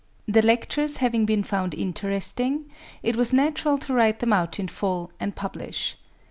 The lectures having been found interesting, it was natural to write them out in full and publish.